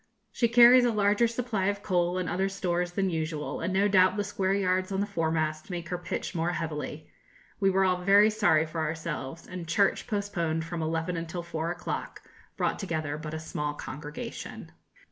She carries a larger supply of coal and other stores than usual, and no doubt the square yards on the foremast make her pitch more heavily. We were all very sorry for ourselves, and 'church,' postponed from eleven until four o'clock, brought together but a small congregation.